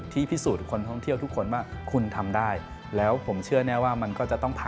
ทุกความสุข